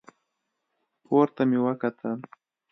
پورته مې وکتل.